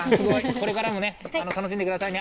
これからも楽しんでくださいね。